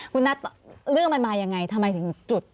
คุณนัทเรื่องมันมายังไงทำไมถึงจุด